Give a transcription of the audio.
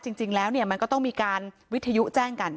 จริงแล้วเนี่ยมันก็ต้องมีการวิทยุแจ้งกัน